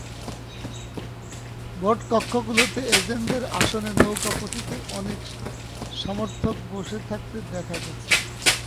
ভোটকক্ষগুলোতে এজেন্টের আসনে নৌকা প্রতীকের অনেক সমর্থক বসে থাকতে দেখা গেছে।